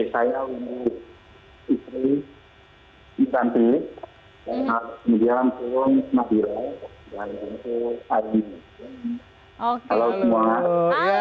saya windu istri istri dan kemudian pun madira dan itu ajin